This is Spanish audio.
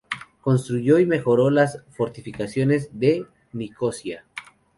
Construyó y mejoró las fortificaciones de Nicosia.